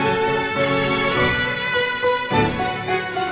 sampai jumpa di cerita selanjutnya